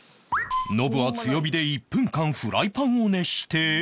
ノブは強火で１分間フライパンを熱して